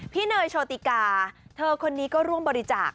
เนยโชติกาเธอคนนี้ก็ร่วมบริจาค